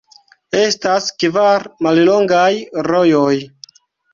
Estas kvar mallongaj rojoj.